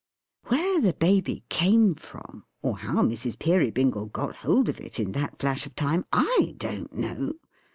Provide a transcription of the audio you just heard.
Where the Baby came from, or how Mrs. Peerybingle got hold of it in that flash of time, I don't know.